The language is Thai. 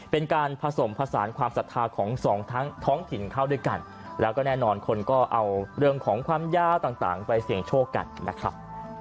เป็นการผสมผสานความศรัทธาของสองทั้งท้องถิ่นเข้าด้วยกันแล้วก็แน่นอนคนก็เอาเรื่องของความยาวต่างไปเสี่ยงโชคกันนะครับ